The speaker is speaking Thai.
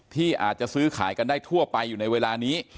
ที่อาจจะซื้อขายกันได้ทั่วไปอยู่ในเวลานี้